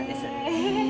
へえ。